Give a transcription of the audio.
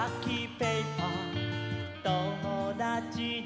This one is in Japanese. ペーパーともだちで」